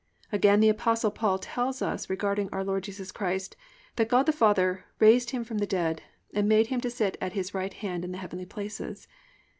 Again the Apostle Paul tells us regarding our Lord Jesus Christ that God the Father +"raised Him from the dead, and made Him to sit at His right hand in the heavenly places"+ (Eph.